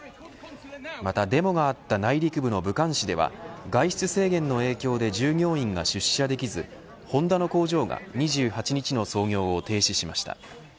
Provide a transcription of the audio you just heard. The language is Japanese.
またデモがあった内陸部の武漢市では外出制限の影響で従業員で出社できずホンダの工場が２８日の操業を停止しました。